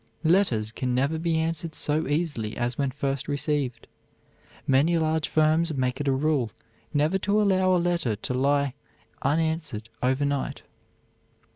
Letters can never be answered so easily as when first received. Many large firms make it a rule never to allow a letter to lie unanswered overnight.